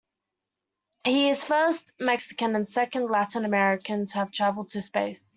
He is the first Mexican, and the second Latin-American to have traveled to space.